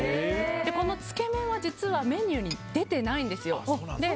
このつけ麺はメニューに出てないんですよ。